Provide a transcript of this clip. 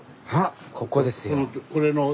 ここですよ。